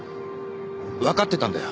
わかってたんだよ